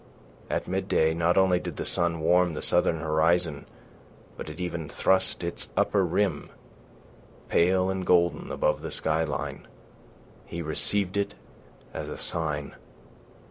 At midday, not only did the sun warm the southern horizon, but it even thrust its upper rim, pale and golden, above the sky line. He received it as a sign.